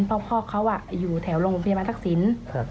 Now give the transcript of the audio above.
เพราะพ่อเขาอยู่แถวโรงพยาบาลทักษิณ